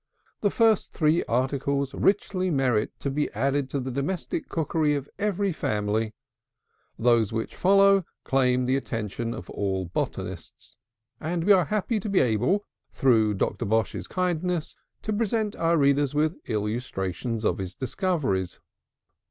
The first three articles richly merit to be added to the domestic cookery of every family: those which follow claim the attention of all botanists; and we are happy to be able, through Dr. Bosh's kindness, to present our readers with illustrations of his discoveries.